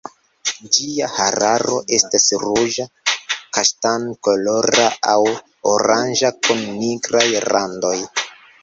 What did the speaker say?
Ĝia hararo estas ruĝa kaŝtan-kolora aŭ oranĝa kun nigraj randoj.